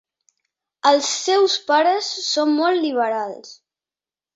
Els seus pares són molt liberals.